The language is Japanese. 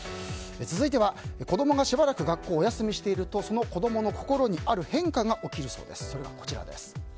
続いては、子供がしばらく学校をお休みしているとその子供の心にある変化が起きるそうです。